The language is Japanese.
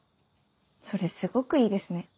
それすごくいいですね。